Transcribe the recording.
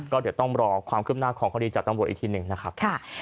ก็เดี๋ยวต้องรอความคืบหน้าของคดีจากตำรวจอีกทีหนึ่งนะครับ